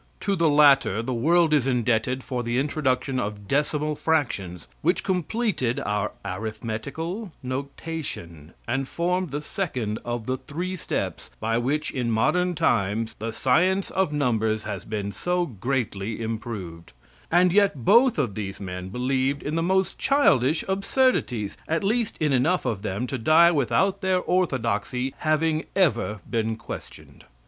To the latter the world is indebted for the introduction of decimal fractions, which completed our arithmetical notation, and formed the second of the three steps by which, in modern times, the science of numbers has been so greatly improved; and yet both of these men believed in the most childish absurdities at least in enough of them to die without their orthodoxy having ever been questioned.